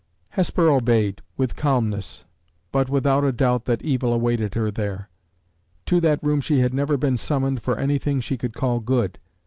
Hesper obeyed, with calmness, but without a doubt that evil awaited her there. To that room she had never been summoned for anything she could call good.